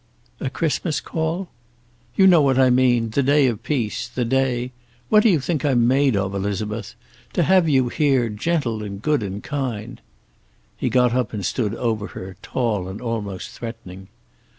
"A Christmas call?" "You know what I mean. The day of peace. The day what do you think I'm made of, Elizabeth? To have you here, gentle and good and kind " He got up and stood over her, tall and almost threatening.